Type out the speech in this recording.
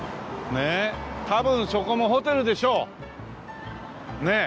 多分そこもホテルでしょう！ねえ？